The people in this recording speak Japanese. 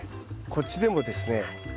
こっちでもですね